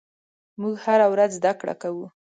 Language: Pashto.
موږ هره ورځ زدهکړه کوو.